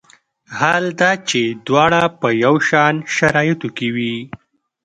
حال دا چې دواړه په یو شان شرایطو کې وي.